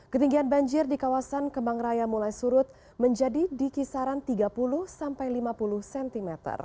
ketinggian banjir di kawasan kemang raya mulai surut menjadi di kisaran tiga puluh sampai lima puluh cm